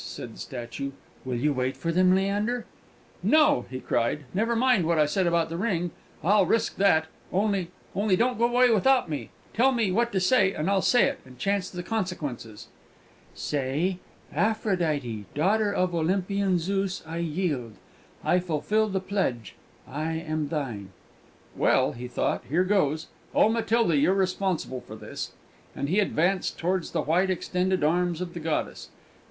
said the statue. "Will you wait for them, Leander?" "No!" he cried. "Never mind what I said about the ring; I'll risk that. Only only, don't go away without me.... Tell me what to say, and I'll say it, and chance the consequences!" "Say, 'Aphrodite, daughter of Olympian Zeus, I yield; I fulfil the pledge; I am thine!'" "Well," he thought, "here goes. Oh, Matilda, you're responsible for this!" And he advanced towards the white extended arms of the goddess.